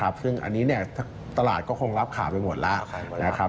ซึ่งอันนี้ตลาดก็คงรับข่าวไปหมดแล้วนะครับ